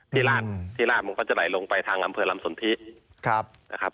ที่ลาดที่ลาดมันก็จะไหลลงไปทางลำเผือลำสนทิครับนะครับ